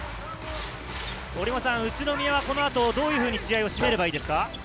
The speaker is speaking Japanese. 宇都宮はこの後、どういうふうに試合を締めればいいですか？